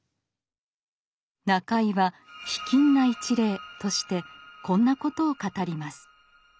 中井は「卑近な一例」としてこんなことを語ります。